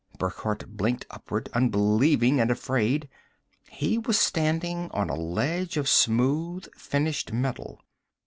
Burckhardt blinked upward, unbelieving and afraid. He was standing on a ledge of smooth, finished metal.